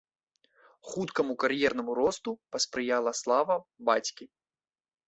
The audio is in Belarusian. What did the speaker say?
Хуткаму кар'ернаму росту паспрыяла слава бацькі.